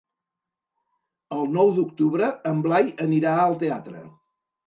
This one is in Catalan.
El nou d'octubre en Blai anirà al teatre.